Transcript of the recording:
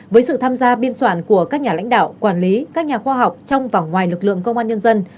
với sự tham gia biên soạn của các nhà lãnh đạo quản lý các nhà khoa học trong và ngoài lực lượng công an nhân dân